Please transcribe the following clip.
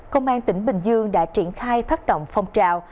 công an tỉnh bình dương đã triển khai phát động phong trào